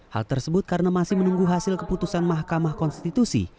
hal tersebut karena masih menunggu hasil keputusan mahkamah konstitusi